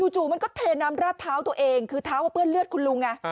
จู่มันก็เทน้ำราดเท้าตัวเองคือเท้าก็เปื้อนเลือดคุณลุงไง